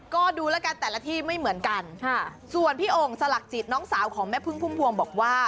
ก็ดูแล้วกันแต่ละที่ไม่เหมือนกันค่ะส่วนพี่โอ่งสลักจิตน้องสาวของแม่พึ่งพุ่มพวงบอกว่า